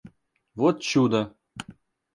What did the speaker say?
Вот чудо!